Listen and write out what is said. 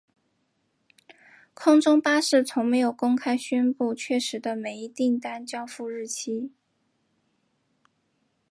空中巴士从没有公开宣布确实的每一订单交付日期。